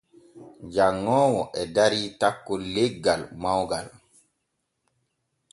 Janŋoowo e darii takkol leggal mawŋal.